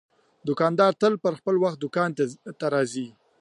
دوکاندار تل پر وخت دوکان ته راځي.